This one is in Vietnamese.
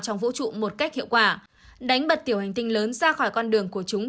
trong vũ trụ một cách hiệu quả đánh bật tiểu hành tinh lớn ra khỏi con đường của chúng